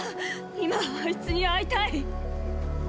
今あいつに会いたい。